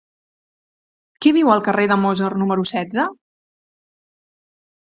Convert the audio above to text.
Qui viu al carrer de Mozart número setze?